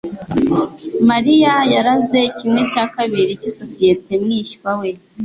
Mariya yaraze kimwe cya kabiri cy'isosiyete mwishywa we